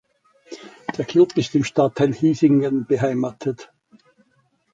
Der Klub ist im Stadtteil Hisingen beheimatet.